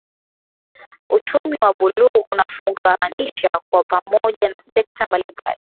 Uchumi wa buluu unafungamanisha kwa pamoja na sekta mbalimbali